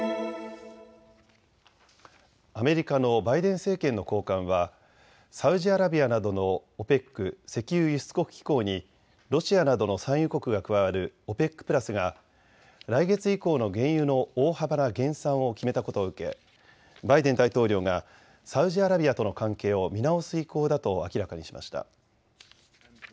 アメリカのバイデン政権の高官はサウジアラビアなどのＯＰＥＣ・石油輸出国機構にロシアなどの産油国が加わるＯＰＥＣプラスが、来月以降の原油の大幅な減産を決めたことを受けバイデン大統領がサウジアラビアとの関係を見直す意向だと明らかにしました。